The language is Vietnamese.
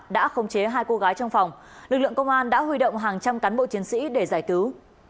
đã khống chế hai cô gái trong phòng lực lượng công an đã huy động hàng trăm cán bộ chiến sĩ để giải cứu